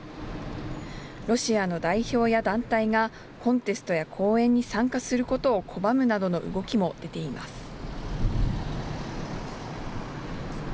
ロシアの代表や団体がコンテストや公演に参加することを拒むなどの動きも出ています。